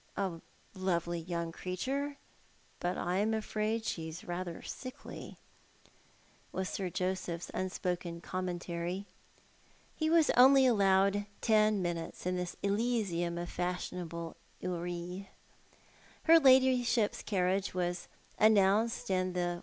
" A lovely yoiuig creature, but I'm afraid she's rather sickly," was Sir Joseph's unspoken commentary. He was only allowed ten minutes in this elysiura of fashion able houris. Her ladyship's carriage was announced, and the A Man' age de Coitvenance.